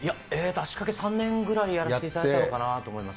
足かけ３年くらいやらせていただいたのかなと思います。